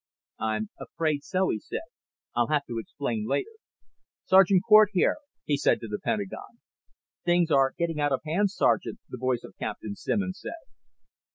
"I'm afraid so," he said. "I'll have to explain later. Sergeant Cort here," he said to the Pentagon. "Things are getting out of hand, Sergeant," the voice of Captain Simmons said.